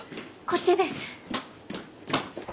こっちです。